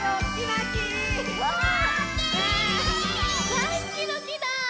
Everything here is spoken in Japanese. だいすきの木だ！